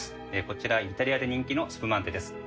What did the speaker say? こちらイタリアで人気のスプマンテです。